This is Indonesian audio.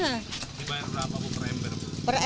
dibayar berapa bu per ember bu